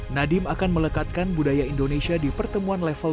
nadiem akan melekatkan budaya indonesia di pertemuan level